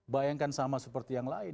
bayangkan sama seperti yang lain